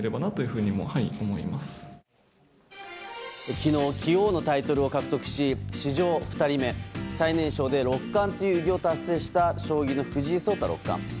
昨日、棋王のタイトルを獲得し史上２人目、最年少で六冠という偉業を達成した将棋の藤井聡太六冠。